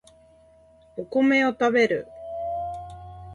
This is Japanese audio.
お米を食べる